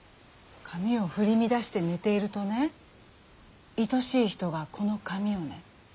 髪を振り乱して寝ているとねいとしい人がこの髪をね